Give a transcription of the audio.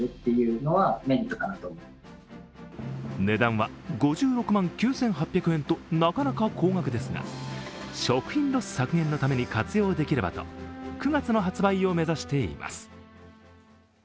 値段は５６万９８００円と、なかなか高額ですが食品ロス削減のために活用できればと９月の発売を目指しています。